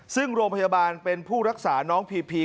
ซึ่งโรงพยาบาลเป็นผู้รักษาน้องพีพี